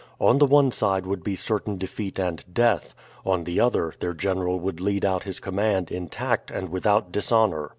On the one side would be certain defeat and death; on the other their general would lead out his command intact and without dishonor.